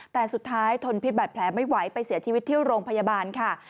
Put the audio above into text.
แต่สุดท้ายทนพิษบัตรแผลไม่ไหวไปเสียชีวิตที่โรงพยาบาลค่ะ